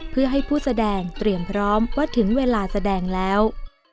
เพื่อให้ผู้แสดงเตรียมพร้อมว่าถึงเวลาแสดงแล้ว